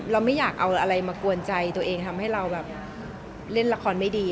เราไม่อยากเอาอะไรมากวนใจตัวเองทำให้เราแบบเล่นละครไม่ดี